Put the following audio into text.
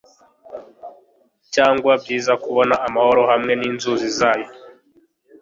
cyangwa byiza kubona amahoro hamwe ninzuzi zayo